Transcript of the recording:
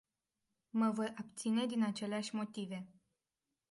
Mă voi abține din aceleași motive.